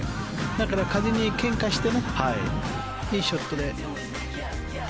だから風にけんかしていいショットで。